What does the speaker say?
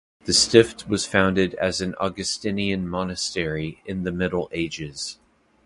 The Stift was founded as an Augustinian monastery in the Middle Ages.